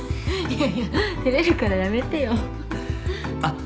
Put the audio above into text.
いやいやてれるからやめてよははっ。